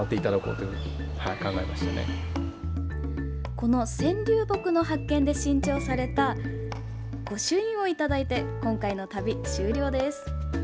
この泉龍木の発見で新調された御朱印をいただいて今回の旅、終了です。